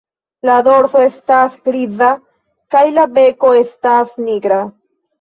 La dorso estas griza kaj la beko estas nigra.